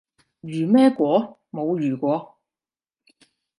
如咩果？冇如果